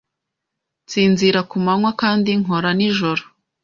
Nsinzira ku manywa kandi nkora nijoro.